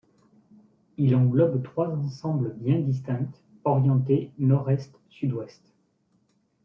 Il englobe trois ensembles bien distincts, orientés nord-est-sud-ouest.